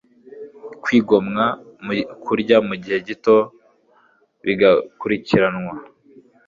kwigomwa kurya mu gihe gito, bigakurikirwa